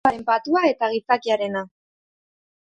Juduaren patua da, eta gizakiarena.